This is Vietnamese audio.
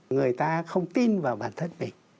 người ta không tin vào bản thân mình